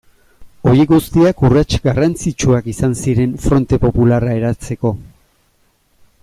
Horiek guztiak urrats garrantzitsuak izan ziren Fronte Popularra eratzeko.